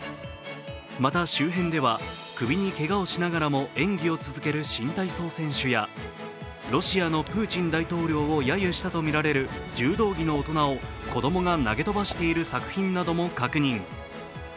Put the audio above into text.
また、周辺では首にけがをしながらも演技を続ける新体操選手やロシアのプーチン大統領をやゆしたとみられる、柔道着の大人を子供が投げ飛ばしている作品なども確認。